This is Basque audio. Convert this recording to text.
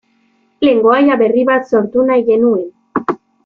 Lengoaia berri bat sortu nahi genuen.